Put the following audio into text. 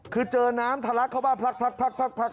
คือเจอน้ำทะลักเข้าบ้านพลัก